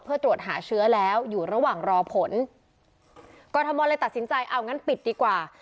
เพื่อตรวจหาเชื้อแล้วอยู่ระหว่างรอผลกรทมเลยตัดสินใจเอางั้นปิดดีกว่า